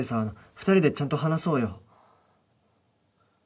二人でちゃんと話そうよ